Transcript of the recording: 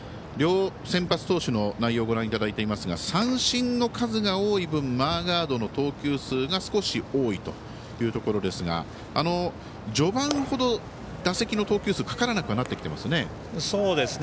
両先発投手の内容をご覧いただいていますが三振の数が多い分マーガードの投球数が少し多いというところですが序盤ほど、打席の投球数かからなくなってきていますね。